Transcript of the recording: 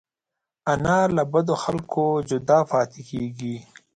انا له بدو خلکو جدا پاتې کېږي